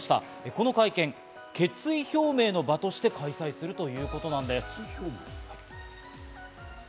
この会見、決意表明の場として開催するということなんです。